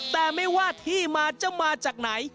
แต่ไม่ว่าที่มาจะมาจากไหน